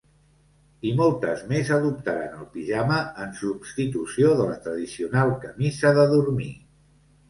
I moltes més adoptaren el pijama en substitució de la tradicional camisa de dormir.